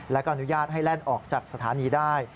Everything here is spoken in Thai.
และก็อนุญาตให้แล่นออกจากสถานีได้